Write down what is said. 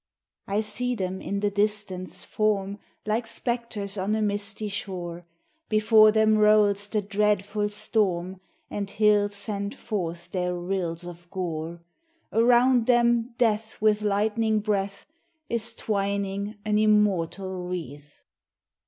I see them, in the distance, form Like spectres on a misty shore; Before them rolls the dreadful storm, And hills send forth their rills of gore; Around them death with lightning breath Is twining an immortal wreath.